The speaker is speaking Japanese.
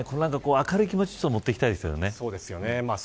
この後、明るい気持ちに持っていきたいですね。